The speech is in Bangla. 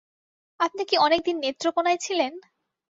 আপনি কি অনেকদিন নেত্রকোণায় ছিলেন?